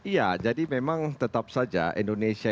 iya jadi memang tetap saja indonesia